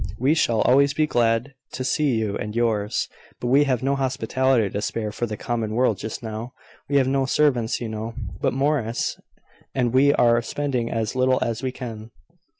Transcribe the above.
We shall always be glad to see you and yours; but we have no hospitality to spare for the common world just now. We have no servants, you know, but Morris; and we are spending as little as we can."